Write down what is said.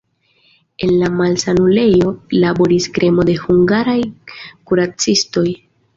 En la malsanulejo laboris kremo de hungaraj kuracistoj.